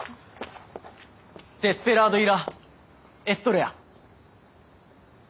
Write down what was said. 「デスペラードイ・ラ・エストレヤ」。